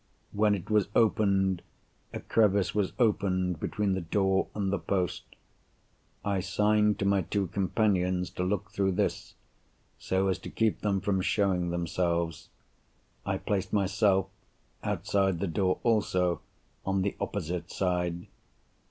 When it was opened, a crevice was opened between the door and the post. I signed to my two companions to look through this, so as to keep them from showing themselves. I placed myself—outside the door also—on the opposite side.